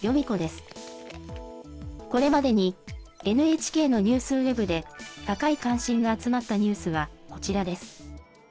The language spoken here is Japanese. これまでにＮＨＫのニュースウェブで高い関心が集まったニュースはこちらです。